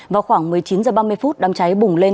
vào khoảng một mươi chín h ba mươi đám cháy bùng lên